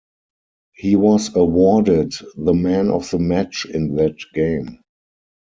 He was awarded the 'man of the match' in that game.